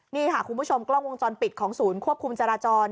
นี่ค่ะคุณผู้ชมกล้องวงจรปิดของศูนย์ควบคุมจราจร